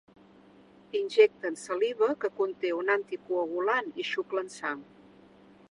Injecten saliva, que conté un anticoagulant, i xuclen sang.